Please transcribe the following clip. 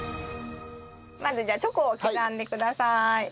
まずじゃあチョコを刻んでください。